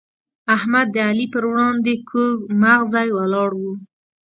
احمد د علي پر وړاندې کوږ مغزی ولاړ وو.